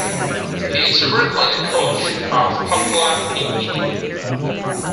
He is currently the coach of Papua New Guinea.